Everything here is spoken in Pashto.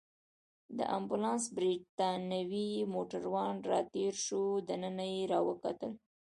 د امبولانس بریتانوی موټروان راتېر شو، دننه يې راوکتل.